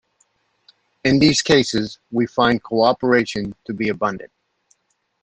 In these cases, we find cooperation to be abundant.